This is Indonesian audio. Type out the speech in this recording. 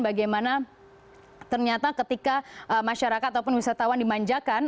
bagaimana ternyata ketika masyarakat ataupun wisatawan dimanjakan